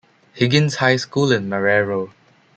Higgins High School in Marrero.